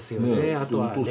あとはね